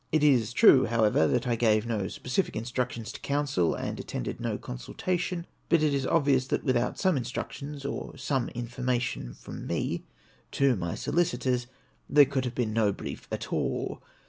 It is true, however, that I gave no specific in structions to counsel, and attended no consultation ; but it is obvious that without some instructions or some information from me to my solicitors there could have been no brief at all.